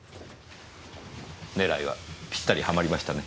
狙いはぴったりハマりましたね。